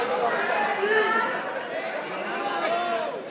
kita harus menjaga kebaikan kita